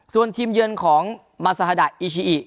ส่วนทีมเยือนของมาซาฮาดะอีชิอิ